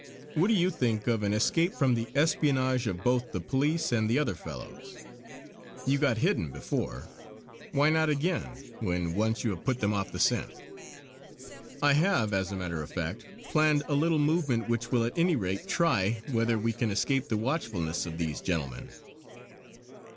What do you think of an escape from the espionage of both the police and the other fellows. You got hidden before; why not again, when once you have put them off the scent. I have as a matter of fact planned a little movement which will at any rate try whether we can escape the watchfulness of these gentlemen."